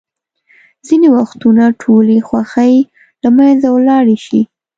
ځینې وختونه ټولې خوښۍ له منځه ولاړې شي.